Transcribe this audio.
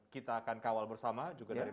kita akan kawal bersama juga dari